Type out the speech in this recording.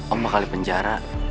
om bakal dipenjara